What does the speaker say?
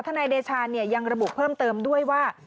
นายเดชายังระบุเพิ่มเติมด้วยว่า